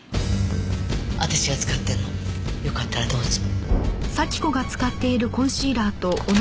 私が使ってるのよかったらどうぞ。